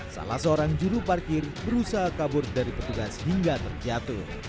salah seorang juru parkir berusaha kabur dari petugas hingga terjatuh